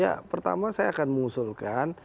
ya pertama saya akan mengusulkan